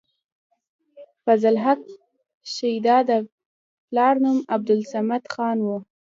فضل حق شېدا د پلار نوم عبدالصمد خان وۀ